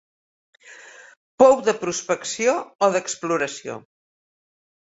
Pou de prospecció o d'exploració.